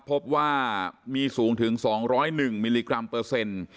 พบว่ามีสูงถึง๒๐๑มิลลิกรัมเปอร์เซ็นต์